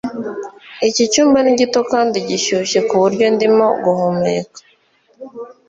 Iki cyumba ni gito kandi gishyushye kuburyo ndimo guhumeka